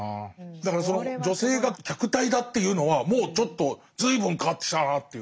だからその女性が客体だっていうのはもうちょっと随分変わってきたなという。